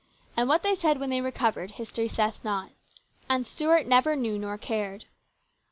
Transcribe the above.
And what they said when they recovered, history saith not, and Stuart never knew nor cared.